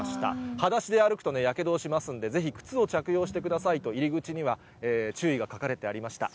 はだしで歩くとやけどをしますんで、ぜひ、靴を着用してくださいと、入り口には注意が書かれてありました。